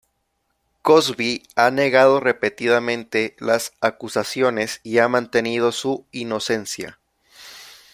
Cosby ha negado repetidamente las acusaciones y ha mantenido su inocencia.